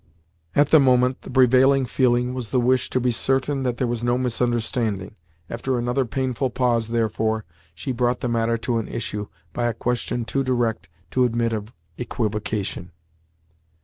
At the moment, the prevailing feeling was the wish to be certain that there was no misunderstanding. After another painful pause, therefore, she brought the matter to an issue by a question too direct to admit of equivocation.